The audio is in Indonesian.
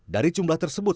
dari jumlah tersebut